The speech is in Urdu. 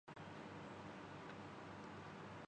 یہ مشکل کام وہ کیسے سرانجام دیں گے؟